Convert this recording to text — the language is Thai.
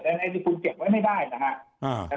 แต่ละคนก็พูดชัดเจนว่ามีนะครับ